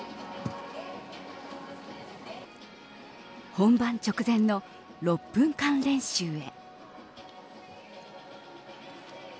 本番直前の６分間練習へ。